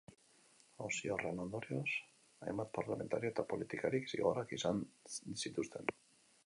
Auzi horren ondorioz, hainbat parlamentario eta politikarik zigorrak izan zituzten.